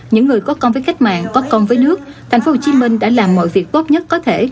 những người có con với khách mạng có con với nước tp hcm đã làm mọi việc tốt nhất có thể